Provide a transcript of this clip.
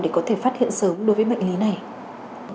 để có thể phát hiện sớm đối với bệnh lý này